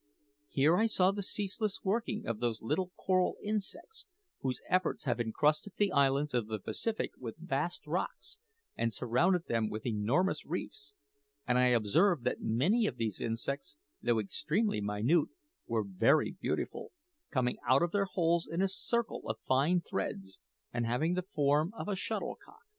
Here I saw the ceaseless working of those little coral insects whose efforts have encrusted the islands of the Pacific with vast rocks, and surrounded them with enormous reefs; and I observed that many of these insects, though extremely minute, were very beautiful, coming out of their holes in a circle of fine threads, and having the form of a shuttlecock.